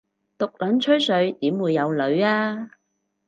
毒撚吹水點會有女吖